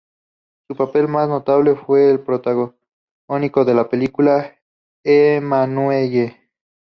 Su papel más notable fue el protagónico de la película "Emmanuelle".